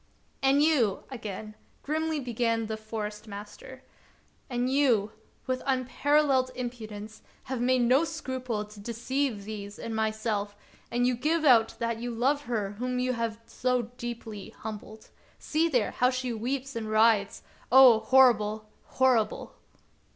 "And you," again grimly began the Forest master, "and you, with unparalleled impudence, have made no scruple to deceive these and my self, and you give out that you love her whom you have so deeply humbled. See there, how she weeps and writhes ! Oh, horrible ! horrible